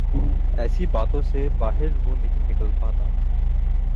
ایسی باتوں سے باہر وہ نکل نہیں پاتے۔